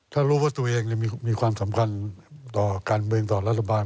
ถ้ารู้ว่าตัวเองมีความสำคัญต่อการเมืองต่อรัฐบาล